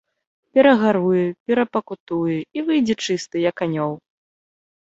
Перагаруе, перапакутуе і выйдзе чысты, як анёл.